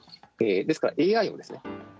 ですからＡＩをですね